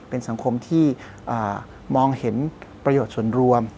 เป็นสังคมที่มองเห็นประโยชน์ส่วนรวม